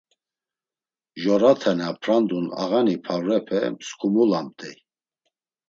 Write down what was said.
Mjorate na prandun, ağani pavrepe msǩumulamt̆ey.